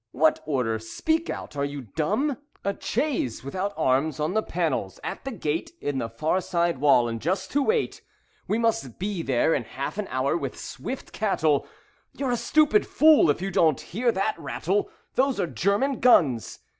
"What order? Speak out. Are you dumb?" "A chaise, without arms on the panels, at the gate In the far side wall, and just to wait. We must be there in half an hour with swift cattle. You're a stupid fool if you don't hear that rattle. Those are German guns.